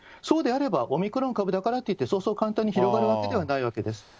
そうであれば、オミクロン株だからといって早々簡単に広がるわけではないわけです。